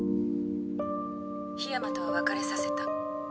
桧山とは別れさせた。